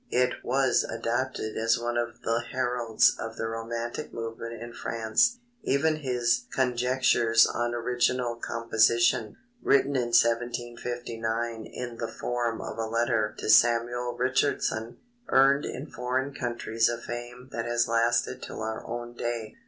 It was adopted as one of the heralds of the romantic movement in France. Even his Conjectures on Original Composition, written in 1759 in the form of a letter to Samuel Richardson, earned in foreign countries a fame that has lasted till our own day.